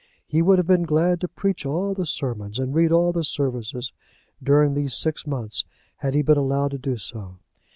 He would have been glad to preach all the sermons and read all the services during these six months, had he been allowed to do so.